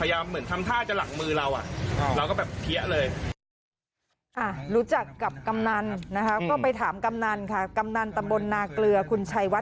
เริ่มมีอารมณ์ครับก็คือตบน้องไปทีนึง